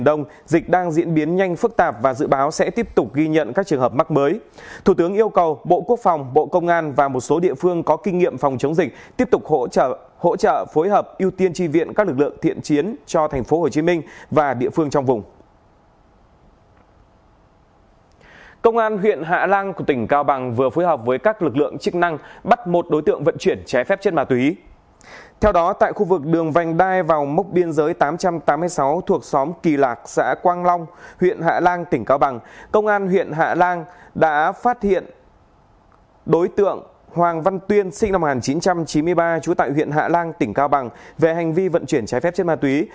đối tượng hoàng văn tuyên sinh năm một nghìn chín trăm chín mươi ba trú tại huyện hạ lan tỉnh cao bằng về hành vi vận chuyển trái phép trên ma túy